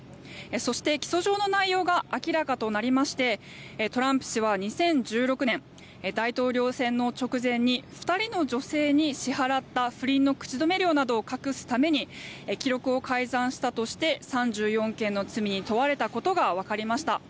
そして、起訴状の内容が明らかとなりましてトランプ氏は２０１６年、大統領選の直前に２人の女性に支払った不倫の口止め料などを隠すために記録を改ざんしたとして３４件の罪に問われたことがわかりました。